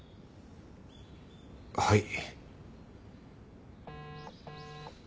はい。